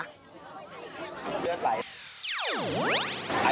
อันนี้ขอพ้องเล็บจริงหรือเปล่า